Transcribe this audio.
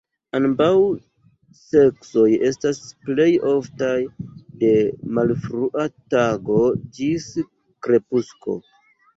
Ambaŭ seksoj estas plej oftaj de malfrua tago ĝis krepusko.